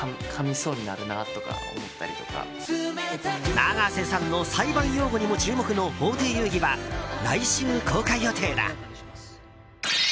永瀬さんの裁判用語にも注目の「法廷遊戯」は来週公開予定だ。